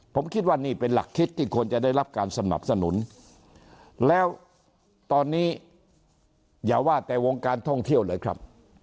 ผมคิดว่านี่เป็นหลักคิดที่ควรจะได้รับการสนับสนุนแล้วตอนนี้อย่าว่าแต่วงการท่องเที่ยวเลยครับ